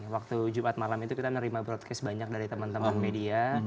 waktu jumat malam itu kita nerima broadcast banyak dari teman teman media